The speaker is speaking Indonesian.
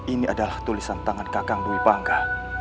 ini adalah tulisan tangan kakang dwi bangga